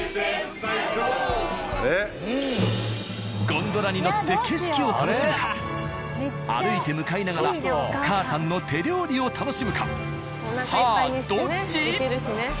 ゴンドラに乗って景色を楽しむか歩いて向かいながらお母さんの手料理を楽しむかさあどっち？